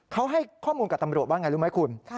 เขาให้ข้อมูลกับตำรวจว่าไงรู้ไหมคุณ